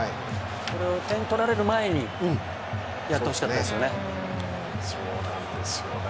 これを点取られる前にやって欲しかったですよね。